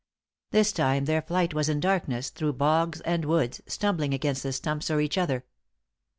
This time their flight was in darkness, through bogs and woods, stumbling against the stumps or each other.